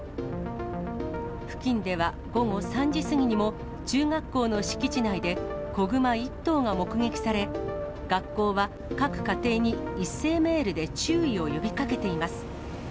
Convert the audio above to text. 付近では午後３時過ぎにも中学校の敷地内で、子熊１頭が目撃され、学校は各家庭に一斉メールで注意を呼びかけています。